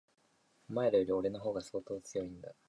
お前らより、俺の方が相当強いんだ。